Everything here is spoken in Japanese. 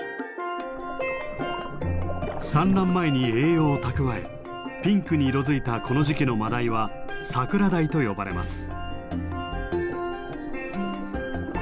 産卵前に栄養を蓄えピンクに色づいたこの時期のマダイはサクラダイと呼ばれます。